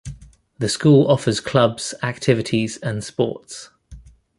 The school offers clubs, activities and sports.